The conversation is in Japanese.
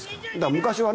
昔はね。